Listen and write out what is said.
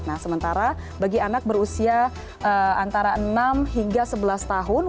nah sementara bagi anak berusia antara enam hingga sebelas tahun